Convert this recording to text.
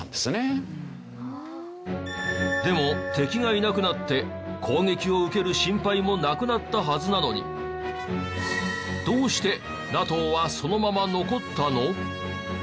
でも敵がいなくなって攻撃を受ける心配もなくなったはずなのにどうしてＮＡＴＯはそのまま残ったの？